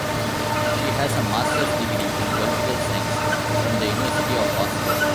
She has a master's degree in political science from the University of Oslo.